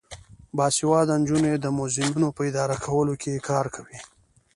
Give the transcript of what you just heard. باسواده نجونې د موزیمونو په اداره کولو کې کار کوي.